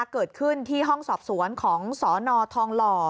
เกิดขึ้นที่ห้องสอบสวนของสนทองหล่อ